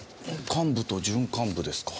幹部と準幹部ですか？